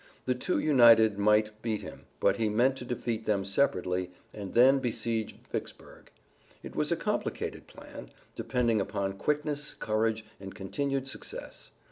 The two united might beat him, but he meant to defeat them separately, and then besiege Vicksburg. It was a complicated plan, depending upon quickness, courage and continued success.